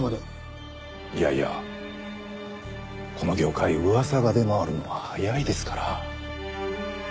いやいやこの業界噂が出回るのは早いですから。